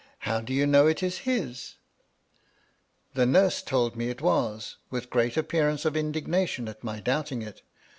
" How do you know it is his r " The nurse told me it was, with great appearance of indignation at my doubting it.